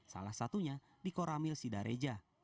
salah satunya di koramil sidareja